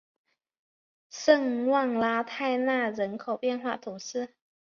圣旺拉泰讷人口变化图示